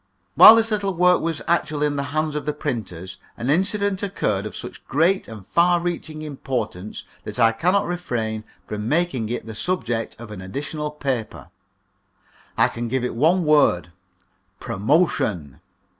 While this little work was actually in the hands of the printers, an incident occurred of such great and far reaching importance that I cannot refrain from making it the subject of an additional paper. I can give it in one word promotion.